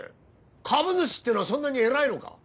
株主ってのはそんなに偉いのか？